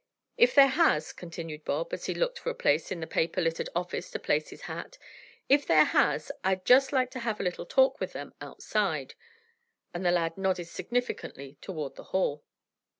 "If there has," continued Bob, as he looked for a place in the paper littered office to place his hat, "if there has, I'd just like to have a little talk with them—outside," and the lad nodded significantly toward the hall.